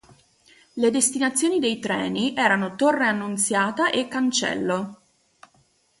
Le destinazioni dei treni erano Torre Annunziata e Cancello.